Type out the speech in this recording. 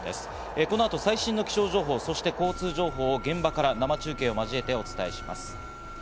この後、最新の気象情報、そして交通情報を現場から生中継を交えてお伝えします。